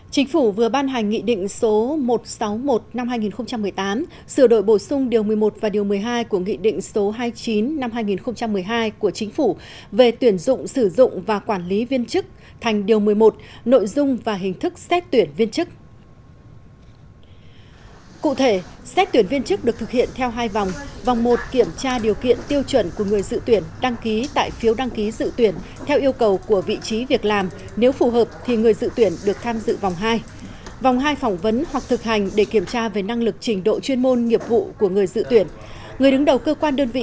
chính phủ vừa ban hành nghị định số một trăm sáu mươi một năm hai nghìn một mươi tám sửa đổi bổ sung điều một mươi một và điều một mươi hai của nghị định số hai mươi chín năm hai nghìn một mươi hai của chính phủ về tuyển dụng sử dụng và quản lý viên chức thành điều một mươi một nội dung và hình thức xét tuyển viên chức